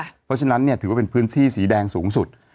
เพราะฉะนั้นเนี่ยถือว่าเป็นพื้นที่สีแดงสูงสุด